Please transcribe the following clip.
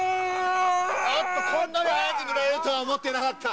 あっと、こんなに早く塗られるとは思ってなかった。